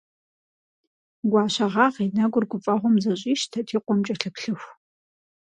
Гуащэгъагъ и нэгур гуфӀэгъуэм зэщӀищтэт и къуэм кӀэлъыплъыху.